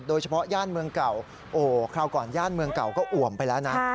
โดยเฉพาะย่านเมืองเก่าคราวก่อนย่านเมืองเก่าก็อวมไปแล้วนะ